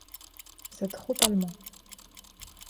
C'est trop allemand.